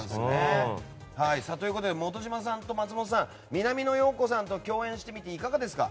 本島さんと松本さん南野陽子さんと共演していかがですか？